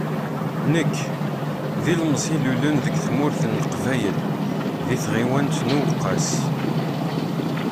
Nekk, d ilmẓi i ilulen deg tmurt n Leqbayel di tɣiwant n Uweqqas.